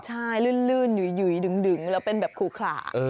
ใช่ลื่นหยุยดึงแล้วเป็นแบบครูขลา